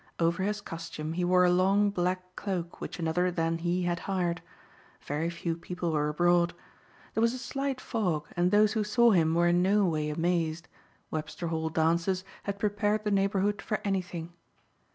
Over his costume he wore a long black cloak which another than he had hired. Very few people were abroad. There was a slight fog and those who saw him were in no way amazed. Webster Hall dances had prepared the neighborhood for anything.